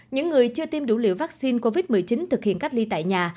những người chưa tiêm đủ liều vaccine covid một mươi chín thực hiện cách ly tại nhà